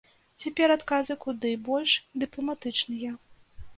Цяпер адказы куды больш дыпламатычныя.